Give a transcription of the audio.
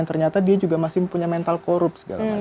ternyata dia juga masih punya mental korup segala macam